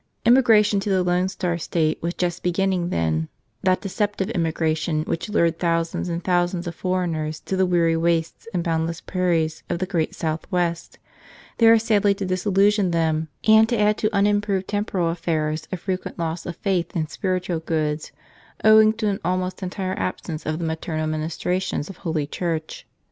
Immigration to the Lone Star State was just beginning then, that deceptive immigration which lured thousands and thousands of foreigners to the weary wastes and boundless prairies of the Great Southwest, there sadly to disillusion them and to add to unimproved temporal affairs a frequent loss of faith and spiritual goods, owing to an almost entire absence of the maternal ministrations of Holy Church.